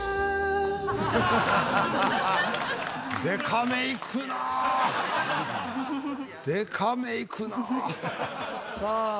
でかめいくなあ。